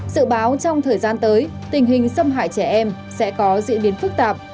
sự báo trong thời gian tới tình hình xâm hại trẻ em sẽ có diễn biến phức tạp